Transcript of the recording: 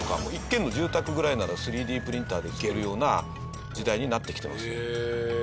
１軒の住宅ぐらいなら３Ｄプリンターで造れるような時代になってきてます。